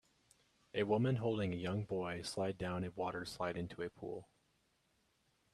A woman holding a young boy slide down a water slide into a pool.